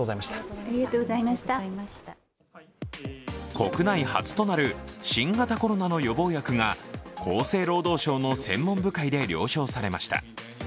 国内初となる新型コロナの予防薬が厚生労働省の専門部会で了承されました。